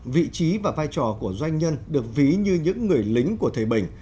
vị trí và vai trò của doanh nhân được ví như những người lính của thời bình